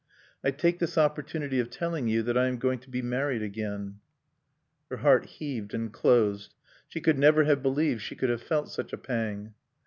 "I take this opportunity of telling you that I am going to be married again " Her heart heaved and closed. She could never have believed she could have felt such a pang.